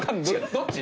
どっち？